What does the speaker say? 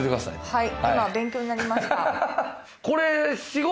はい。